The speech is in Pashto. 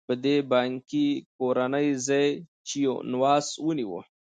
په دې بانکي کورنۍ ځای جینوس ونیوه.